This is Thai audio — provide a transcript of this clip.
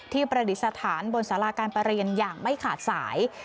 ประดิษฐานบนสาราการประเรียนอย่างไม่ขาดสาย